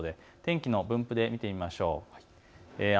天気の分布で見ていきましょう。